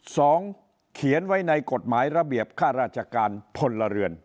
สองเขียนไว้ในกฎหมายระเบียบค่าราชการพลเรือน